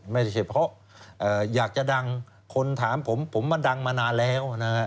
ไม่ใช่เฉพาะอยากจะดังคนถามผมผมมาดังมานานแล้วนะฮะ